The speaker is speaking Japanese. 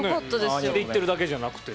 口で言ってるだけじゃなくて。